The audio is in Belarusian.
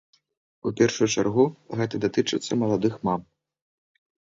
У першую чаргу, гэта датычыцца маладых мам.